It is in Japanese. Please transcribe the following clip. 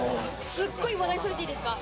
すごい話題それていいですか？